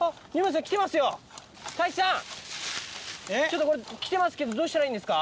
ちょっとこれ来てますけどどうしたらいいんですか？